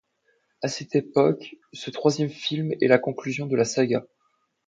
À cette époque, ce troisième film est la conclusion de la saga'.